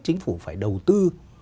chính phủ phải đầu tư